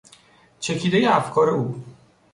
چکیدهی افکار او